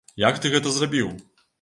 Як ты гэта зрабіў?